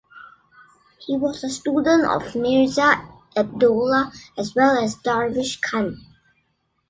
He was a student of Mirza Abdollah as well as Darvish Khan.